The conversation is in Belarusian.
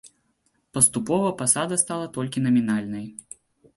Паступова пасада стала толькі намінальнай.